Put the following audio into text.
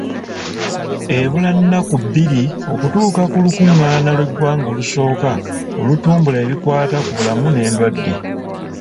Ebula nnaku bbiri okutuuka ku lukungaana lw'eggwanga olusooka olutumbula ebikwata ku bulamu n'endwadde.